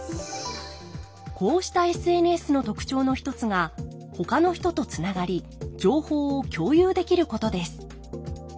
こうしたＳＮＳの特徴の一つがほかの人とつながり情報を共有できることです。